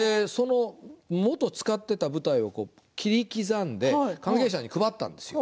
もと使っていた舞台を切り刻んで関係者に配ったんです。